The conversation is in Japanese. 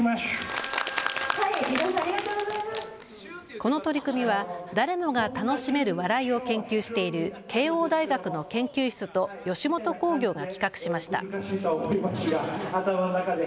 この取り組みは誰もが楽しめる笑いを研究している慶応大学の研究室と吉本興業が企画しました。